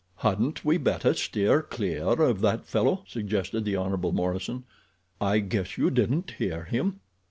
"Hadn't we better steer clear of that fellow?" suggested the Hon. Morison. "I guess you didn't hear him."